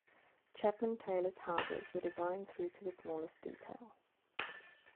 Chapman-Taylor's houses were designed through to the smallest detail.